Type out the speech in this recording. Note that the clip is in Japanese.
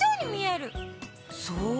そう？